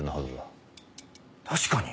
確かに。